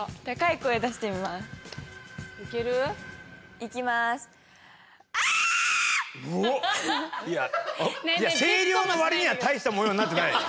いや声量の割には大した模様になってないです。